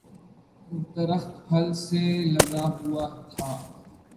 درخت پھل سے لدا ہوا تھا